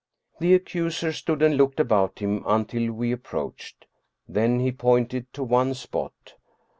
The accuser stood and looked about him until we ap proached. Then he pointed to one spot.